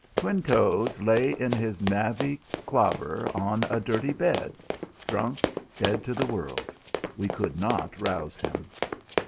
Twinetoes lay in his navvy clobber on a dirty bed, drunk, dead to the world. We could not rouse him.